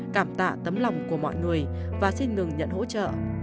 cảm tạ tấm lòng của mọi người và xin ngừng nhận hỗ trợ